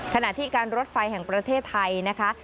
ขณะที่การรถไฟแห่งประเทศไทยนะคะ